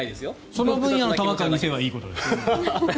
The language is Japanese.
その分野の玉川２世はいいです。